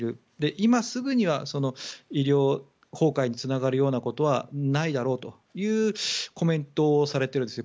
今すぐには医療崩壊につながるようなことはないだろうというコメントをされているんですね。